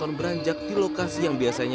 apa yang keseluruhan tadi yang dirasakan